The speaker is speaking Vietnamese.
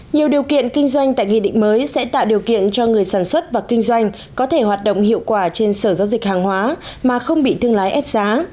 nhiều điều kiện kinh doanh tại nghị định mới sẽ tạo điều kiện cho người sản xuất và kinh doanh có thể hoạt động hiệu quả trên sở giao dịch hàng hóa mà không bị thương lái ép giá